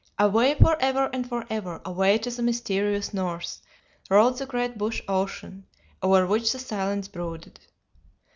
Away for ever and for ever, away to the mysterious north, rolled the great bush ocean over which the silence brooded.